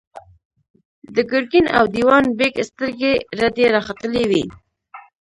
د ګرګين او دېوان بېګ سترګې رډې راختلې وې.